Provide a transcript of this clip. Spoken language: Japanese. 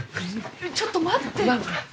ちょっと待って。